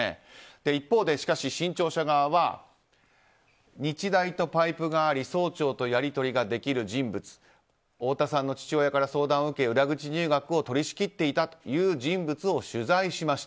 一方で、新潮社側は日大とパイプがあり総長とやり取りができる人物太田さんの父親から相談を受け裏口入学を取り仕切っていたという人物を取材しました。